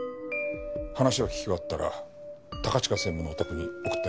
話を聞き終わったら高近専務のお宅に送ってあげてくれ。